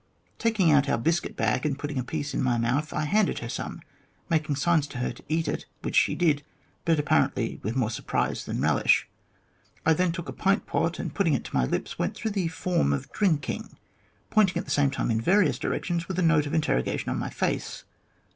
Taking out our biscuit bag and putting a piece in my mouth, I handed her some, making signs to her to eat it, which she did, but apparently with more surprise than relish. I then took a pint pot, and putting it to my lips, went through the form of drinking, pointing at the same time in various directions with a note of interrogation on my face.